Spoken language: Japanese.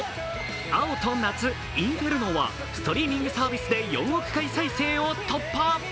「青と夏」「インフェルノ」はストリーミングサービスで４億回再生を突破。